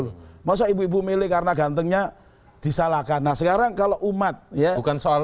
loh masa ibu ibu milih karena gantengnya disalahkan nah sekarang kalau umat ya bukan soal